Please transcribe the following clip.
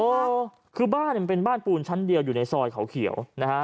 โอ้โหคือบ้านเนี่ยมันเป็นบ้านปูนชั้นเดียวอยู่ในซอยเขาเขียวนะฮะ